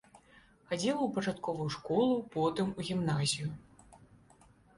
Хадзіла ў пачатковую школу, потым у гімназію.